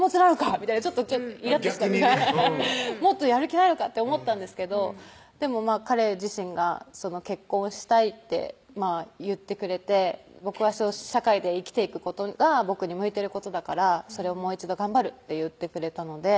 みたいなちょっとイラッとしたもっとやる気ないのか！って思ったんですけどでも彼自身が「結婚したい」って言ってくれて「僕は社会で生きていくことが僕に向いてることだからそれをもう一度頑張る」って言ってくれたので「